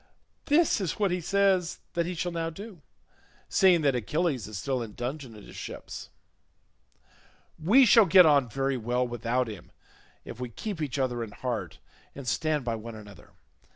This is what he says that he shall now do, seeing that Achilles is still in dudgeon at his ship; we shall get on very well without him if we keep each other in heart and stand by one another.